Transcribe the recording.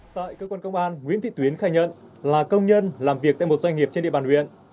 tại cơ quan công an nguyễn thị tuyến khai nhận là công nhân làm việc tại một doanh nghiệp trên địa bàn huyện